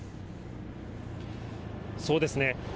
そうですね。